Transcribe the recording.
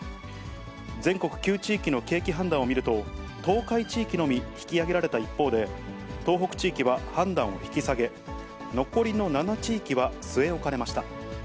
全国９地域の景気判断を見ると、東海地域のみ引き上げられた一方で、東北地域は判断を引き下げ、残りの７地域は据え置かれました。